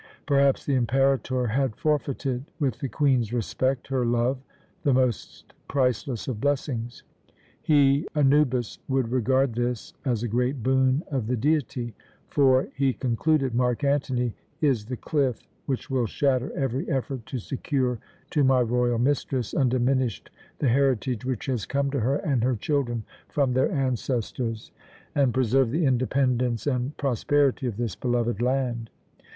Perhaps the Imperator had forfeited, with the Queen's respect, her love the most priceless of blessings. He, Anubis, would regard this as a great boon of the Deity; "for," he concluded, "Mark Antony is the cliff which will shatter every effort to secure to my royal mistress undiminished the heritage which has come to her and her children from their ancestors, and preserve the independence and prosperity of this beloved land.